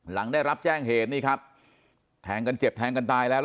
หลังได้รับแจ้งเหตุนี่ครับแทงกันเจ็บแทงกันตายแล้ว